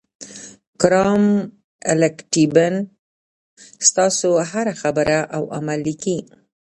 کرام الکاتبین ستاسو هره خبره او عمل لیکي.